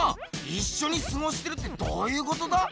いっしょにすごしてるってどういうことだ？